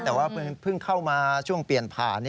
แต่ว่าเพิ่งเข้ามาช่วงเปลี่ยนผ่าน